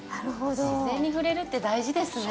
なるほど自然に触れるって大事ですね